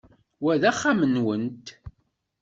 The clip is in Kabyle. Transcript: Wa d axxam-nwent?